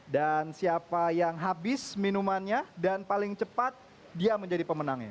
dan siapa yang habis minumannya dan paling cepat dia menjadi pemenangnya